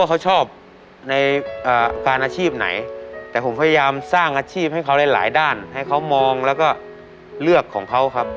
เขาชอบในการอาชีพไหนแต่ผมพยายามสร้างอาชีพให้เขาหลายหลายด้านให้เขามองแล้วก็เลือกของเขาครับ